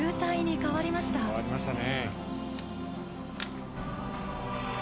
変わりましたね。